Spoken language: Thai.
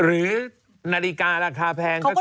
หรือนาฬิการาคาแพงก็คือ